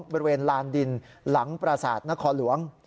บริเวณลานดินหลังประสาทนครหลวง